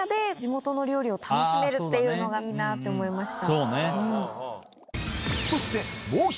っていうのがいいなって思いました。